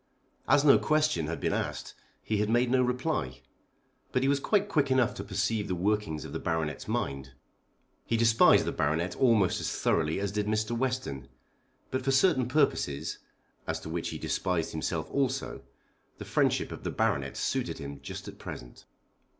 As no question had been asked he had made no reply, but he was quite quick enough to perceive the working of the Baronet's mind. He despised the Baronet almost as thoroughly as did Mr. Western. But for certain purposes, as to which he despised himself also, the friendship of the Baronet suited him just at present.